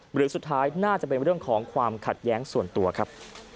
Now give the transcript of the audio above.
หรือสุดท้ายน่าจะเป็นเรื่องของความขัดแย้งส่วนตัวครับ